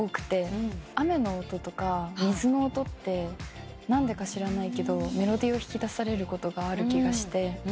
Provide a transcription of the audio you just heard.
雨の音とか水の音って何でか知らないけどメロディーを引き出されることがある気がして。